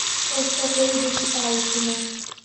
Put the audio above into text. চেষ্টা করে দেখি পারি কি না!